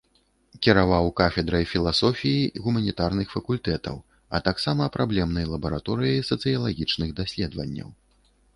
Кіраваў кафедрай філасофіі гуманітарных факультэтаў, а так сама праблемнай лабараторыяй сацыялагічных даследаванняў.